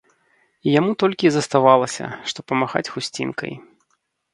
І яму толькі і заставалася, што памахаць хусцінкай.